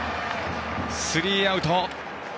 スリーアウト。